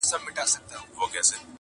خو خبري نه ختمېږي هېڅکله تل,